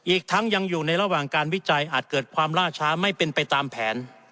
อีกทั้งยังอยู่ในระหว่างการวิจัยอาจเกิดความล่าช้าไม่เป็นไปตามแผน